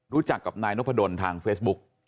รู้จักกับนายนพดลทางเฟซบุ๊ก